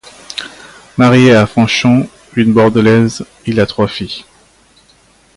Marié à Fanchon, une Bordelaise, il a trois filles.